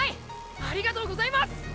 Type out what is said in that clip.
ありがとうございます！